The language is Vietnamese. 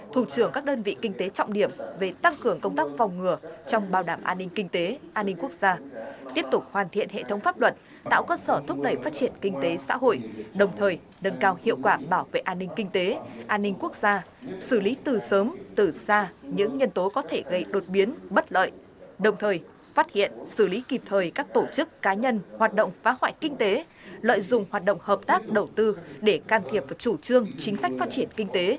thủ trưởng các đơn vị kinh tế trọng điểm về tăng cường công tác phòng ngừa trong bảo đảm an ninh kinh tế an ninh quốc gia tiếp tục hoàn thiện hệ thống pháp luật tạo cơ sở thúc đẩy phát triển kinh tế xã hội đồng thời nâng cao hiệu quả bảo vệ an ninh kinh tế an ninh quốc gia xử lý từ sớm từ xa những nhân tố có thể gây đột biến bất lợi đồng thời phát hiện xử lý kịp thời các tổ chức cá nhân hoạt động phá hoại kinh tế lợi dùng hoạt động hợp tác đầu tư để can thiệp chủ trương chính sách phát triển kinh t